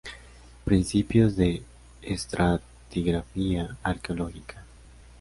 Principios de Estratigrafía Arqueológica.